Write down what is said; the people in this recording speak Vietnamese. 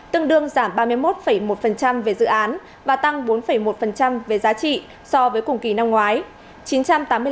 tương đương giảm ba mươi một một về dự án và tăng bốn một về giá trị so với cùng kỳ năm ngoái